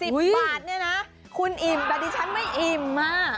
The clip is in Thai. ๑๐บาทเนี่ยนะคุณอิ่มดังนี้ฉันไม่อิ่มมาก